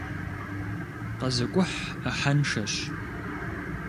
КъэзыкӀухь Ӏыхьэншэщ.